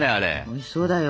おいしそうだよ。